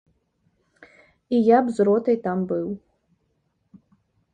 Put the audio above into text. І я б з ротай там быў.